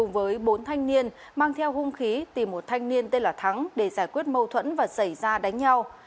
với bốn thanh niên mang theo hung khí tìm một thanh niên tên là thắng để giải quyết mâu thuẫn và xảy ra đánh nhau